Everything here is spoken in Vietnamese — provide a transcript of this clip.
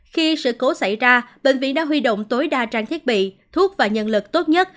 khi sự cố xảy ra bệnh viện đã huy động tối đa trang thiết bị thuốc và nhân lực tốt nhất